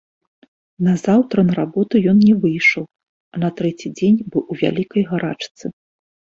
Назаўтра на работу ён не выйшаў, а на трэці дзень быў у вялікай гарачцы.